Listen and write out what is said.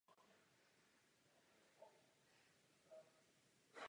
To přece není totéž.